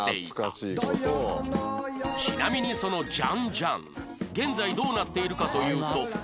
ちなみにそのジァン・ジァン現在どうなっているかというと